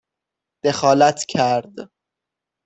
دخالت کرد